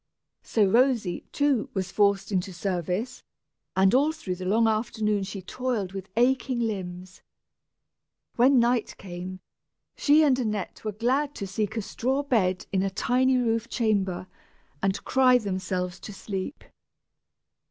So Rosy, too, was forced into service, and all through the long afternoon she toiled with aching limbs. When night came, she and Annette were glad to seek a straw bed in a tiny roof chamber and cry themselves to sleep.